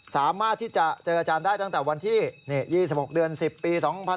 สามารถที่จะเจออาจารย์ได้ตั้งแต่วันที่๒๖เดือน๑๐ปี๒๕๖๒